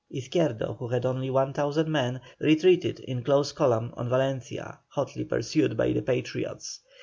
Izquierdo, who had only 1,000 men, retreated in close column on Valencia, hotly pursued by the Patriots.